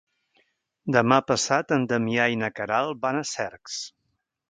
Demà passat en Damià i na Queralt van a Cercs.